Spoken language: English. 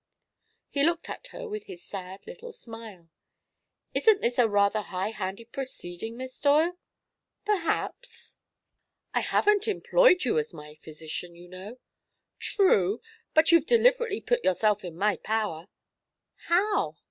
He looked at her with his sad little smile. "Isn't this a rather high handed proceeding, Miss Doyle?" "Perhaps." "I haven't employed you as my physician, you know." "True. But you've deliberately put yourself in my power." "How?"